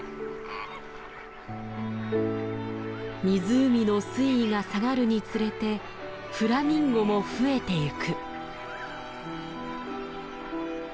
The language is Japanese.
湖の水位が下がるにつれてフラミンゴも増えてゆく。